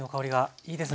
いいですね。